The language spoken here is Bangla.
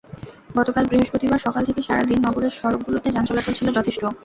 গতকাল বৃহস্পতিবার সকাল থেকে সারা দিন নগরের সড়কগুলোতে যান চলাচল ছিল যথেষ্ট।